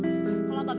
kalau abang berhenti